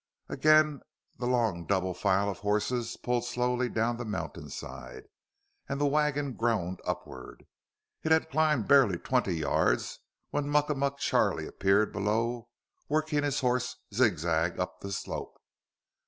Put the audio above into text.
Again, the long double file of horses pulled slowly down the mountainside and the wagon groaned upward. It had climbed barely twenty yards when Muckamuck Charlie appeared below, working his horse zigzag up the slope.